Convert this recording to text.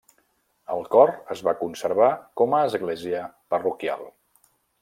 El cor es va conservar com a església parroquial.